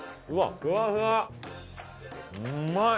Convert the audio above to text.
うまい！